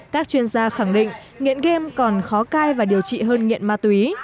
các chuyên gia khẳng định nghiện game còn khó cai và điều trị hơn nghiện ma túy